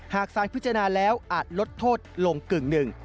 หากสารพิจารณาแล้วอาจลดโทษลงกึ่งหนึ่ง